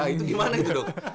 itu gimana itu dok